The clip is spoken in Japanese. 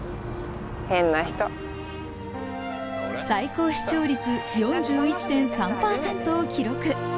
最高視聴率４１．３％を記録。